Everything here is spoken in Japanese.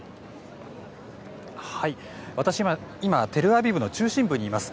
私は今、テルアビブの中心部にいます。